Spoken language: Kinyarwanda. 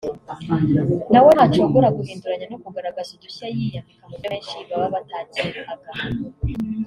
nawe ntacogora guhinduranya no kugaragagaza udushya yiyambika mu buryo benshi baba batakekaga